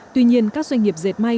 tuy nhiên các doanh nghiệp dệt may